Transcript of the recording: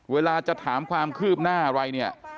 เวลาจะถามความคืบหน้าอะไรเนี่ย